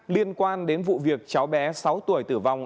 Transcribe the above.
liên quan đến vụ việc cháu bé sáu tuổi tử vong